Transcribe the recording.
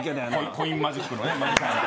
コインマジックのね。